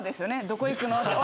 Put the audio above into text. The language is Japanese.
どこ行くの？って。